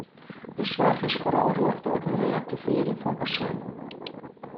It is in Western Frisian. De soarch is foaral rjochte op it reaktivearjen fan pasjinten.